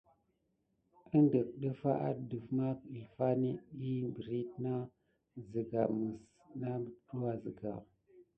Əŋɗeke defà aɗef mà kifà net ɗik piriti nà sika mis namtua siga.